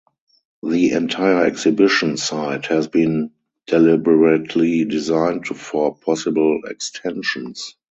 The entire exhibition site has been deliberately designed for possible extensions.